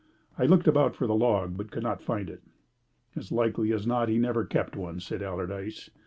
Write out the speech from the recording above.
I looked about for the log, but could not find it. "As likely as not he never kept one," said Allardyce.